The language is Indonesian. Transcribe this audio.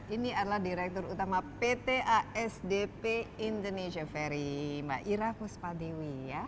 ini adalah direktur utama pt asdp indonesia ferry mbak ira kuspadewi